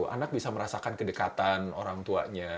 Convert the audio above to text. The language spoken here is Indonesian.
anak bisa merasakan kedekatan orang tuanya